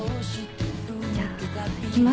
じゃあ行きますか。